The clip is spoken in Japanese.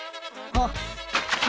「あっ」